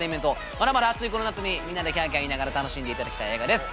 まだまだ暑いこの夏にみんなでキャーキャー言いながら楽しんでいただきたい映画です